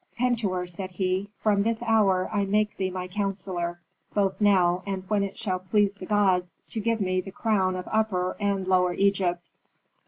"Pentuer," said he, "from this hour I make thee my counsellor, both now and when it shall please the gods to give me the crown of Upper and Lower Egypt."